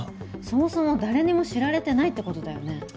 そもそも誰にも知られてないってことだよね